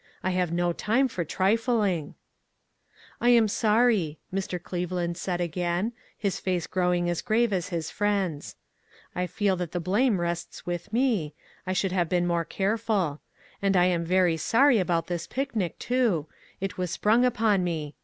I have no time for trifling." " I am sorry," Mr. Cleveland said again, his face growing as grave as his friend's, " I feel that the blame rests with me, I should have been more careful ; and I am sorry about this picnic, too; it was sprung upon me.